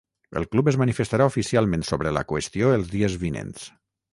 El club es manifestarà oficialment sobre la qüestió els dies vinents.